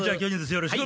よろしく。